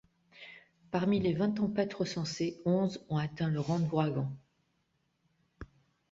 Parmi les vingt tempêtes recensées, onze ont atteint le rang d'ouragan.